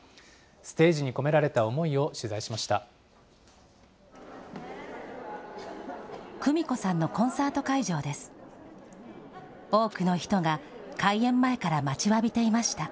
ステージに込められた思いを取材しました。